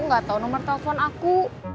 gak tau nomor telepon aku